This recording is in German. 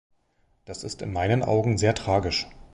Das ist in meinen Augen sehr tragisch.